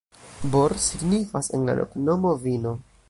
Bor signifas en la loknomo: vino.